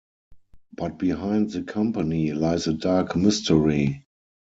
But behind the company lies a dark mystery.